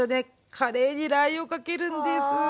カレーにラー油をかけるんです。